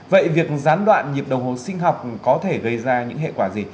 vậy việc gián đoạn nhịp đồng hồ sinh học có thể gây ra những hệ quả gì